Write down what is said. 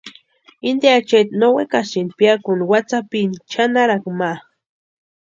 Inte achaeti no wekasïnti piakuni watsí sapini chʼanarakwa ma.